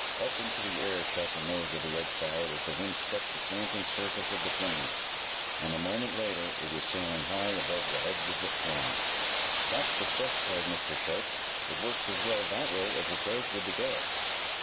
Up into the air shot the nose of the Red Cloud as the wind struck the slanting surface of the planes, and, a moment later it was sailing high above the heads of the throng. "That's the stuff!" cried Mr. Sharp. "It works as well that way as it does with the gas!"